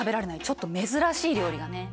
ちょっと珍しい料理がね。